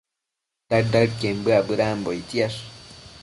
daëd-daëden bëac bedambo ictsiash